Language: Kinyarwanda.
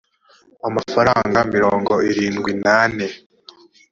amafaranga mirongo irindwi n ane